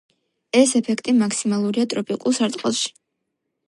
ეს ეფექტი მაქსიმალურია ტროპიკულ სარტყელში.